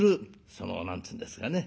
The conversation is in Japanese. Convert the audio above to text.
その何て言うんですかね